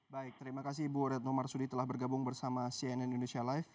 baik terima kasih ibu retno marsudi telah bergabung bersama cnn indonesia live